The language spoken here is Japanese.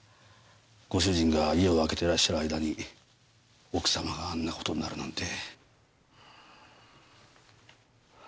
ご主人が家を空けてらっしゃる間に奥様があんな事になるなんて。